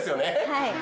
はい。